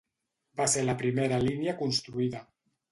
Va ser la primera línia construïda.